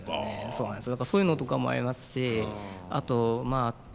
そうなんですよ。